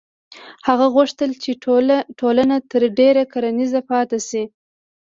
هغه غوښتل چې ټولنه تر ډېره کرنیزه پاتې شي.